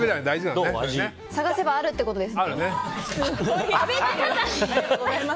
探せばあるってことですね。